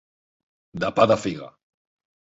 De pa de figa.